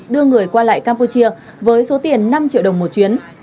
đưa người qua lại campuchia với số tiền năm triệu đồng một chuyến